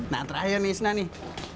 nah terakhir nih isna nih